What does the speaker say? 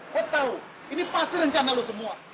lo tau ini pas rencana lo semua